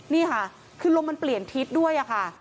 นี่ค่ะคือลมมันเปลี่ยนทิศด้วยค่ะ